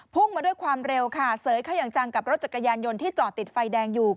มาด้วยความเร็วค่ะเสยเข้าอย่างจังกับรถจักรยานยนต์ที่จอดติดไฟแดงอยู่